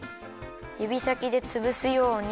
ゆびさきでつぶすように。